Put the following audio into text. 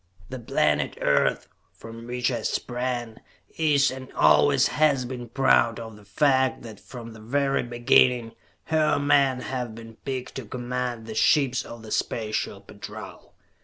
The planet Earth, from which I sprang, is and always has been proud of the fact that from the very beginning, her men have been picked to command the ships of the Special Patrol.